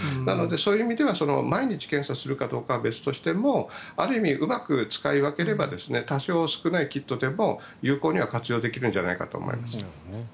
なので、そういう意味では毎日検査するかどうかは別にしてもある意味うまく使い分ければ多少少ないキットでも有効に活用できるんじゃないかと思います。